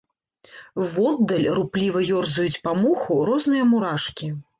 Воддаль рупліва ёрзаюць па моху розныя мурашкі.